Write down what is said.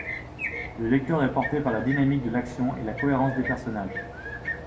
Le lecteur est porté par la dynamique de l’action et la cohérence des personnages.